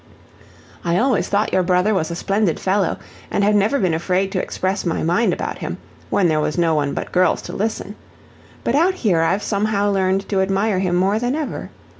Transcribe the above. "I always thought your brother was a splendid fellow, and have never been afraid to express my mind about him, when there was no one but girls to listen. But out here I've somehow learned to admire him more than ever.